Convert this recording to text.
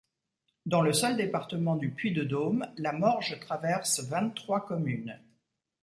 Dans le seul département du Puy-de-Dôme, la Morge traverse vingt-trois communes.